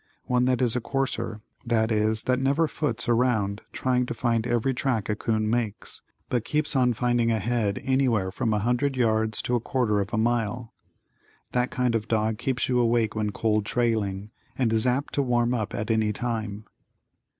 One that is a courser, that is, that never foots around trying to find every track a 'coon makes, but keeps on finding ahead anywhere from a hundred yards to a quarter of a mile. That kind of a dog keeps you awake when cold trailing, and is apt to warm up at any time.